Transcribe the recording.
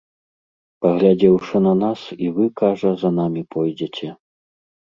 Паглядзеўшы на нас, і вы, кажа, за намі пойдзеце.